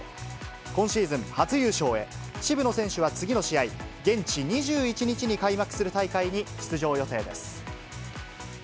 今シーズン、初優勝へ、渋野選手は次の試合、現地２１日に開幕する大会に出場予定です。